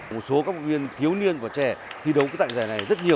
một số các vận viên thiếu niên và trẻ thi đấu cái dạng giải này rất nhiều